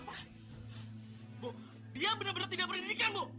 bu dia benar benar tidak berindikin bu